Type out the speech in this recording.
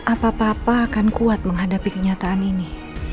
apa apa akan kuat menghadapi kenyataan ini